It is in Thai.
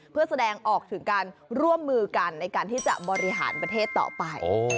เพื่อแสดงออกถึงการร่วมมือกันในการที่จะบริหารประเทศต่อไป